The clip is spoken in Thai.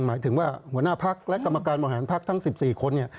หมายถึงว่าหัวหน้าพักและกรรมการบริหารพักทั้ง๑๔คนเนี่ย